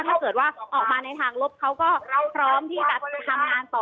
ถ้าเกิดว่าออกมาในทางลบเขาก็พร้อมที่จะทำงานต่อ